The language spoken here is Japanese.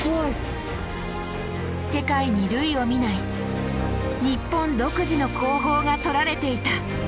世界に類を見ない日本独自の工法がとられていた！